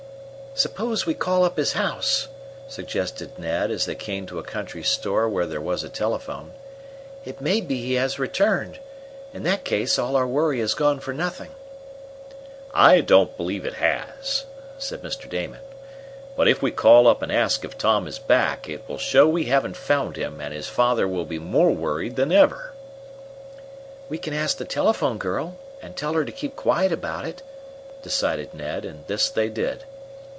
"Suppose we call up his home," suggested Ned, as they came to a country store where there was a telephone. "It may be he has returned. In that case, all our worry has gone for nothing." "I don't believe it has," said Mr. Damon. "But if we call up and ask if Tom is back it will show we haven't found him, and his father will be more worried than ever." "We can ask the telephone girl, and tell her to keep quiet about it," decided Ned; and this they did.